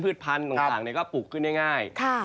พันธุ์ต่างก็ปลูกขึ้นง่าย